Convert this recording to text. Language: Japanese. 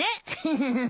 フフフ。